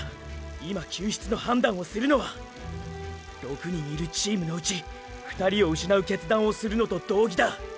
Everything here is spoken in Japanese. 今救出の判断をするのは６人いるチームの内２人を失う決断をするのと同義だ。